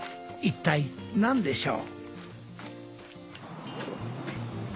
一体なんでしょう？